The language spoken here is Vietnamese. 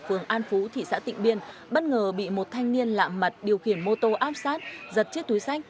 phường an phú thị xã tịnh biên bất ngờ bị một thanh niên lạm mặt điều khiển mô tô áp sát giật chiếc túi sách